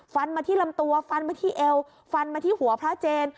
ฟันมาที่ลำตัวฟันมาที่เอวฟันมาที่หัวพระเจน